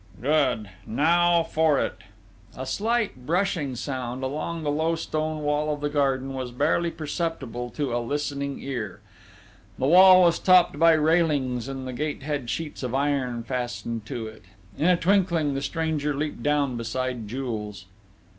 "Good! Now for it!..." A slight brushing sound, along the low stone wall of the garden, was barely perceptible to a listening ear. The wall was topped by railings, and the gate had sheets of iron fastened to it. In a twinkling, the stranger leaped down beside Jules.